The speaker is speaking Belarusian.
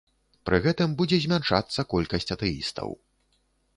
Пры гэтым будзе змяншацца колькасць атэістаў.